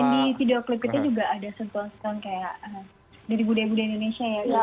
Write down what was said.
jadi video klipnya juga ada sebuah sebuah kayak dari budaya budaya indonesia ya